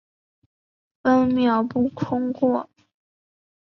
分秒不空过